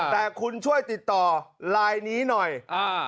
แต่คุณช่วยติดต่อลายนี้หน่อย